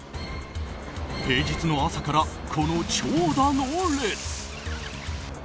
平日の朝から、この長蛇の列。